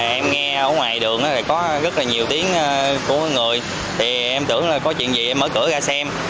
em nghe ở ngoài đường có rất nhiều tiếng của người em tưởng có chuyện gì em mở cửa ra xem